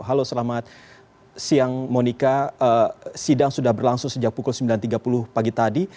halo selamat siang monika sidang sudah berlangsung sejak pukul sembilan tiga puluh pagi tadi